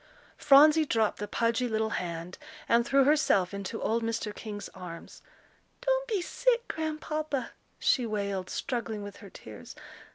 Phronsie dropped the pudgy little hand, and threw herself into old Mr. King's arms. "Don't be sick, Grandpapa," she wailed, struggling with her tears.